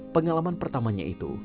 pengalaman pertamanya itu